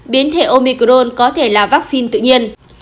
biến thể omicron có thể là vaccine tự nhiên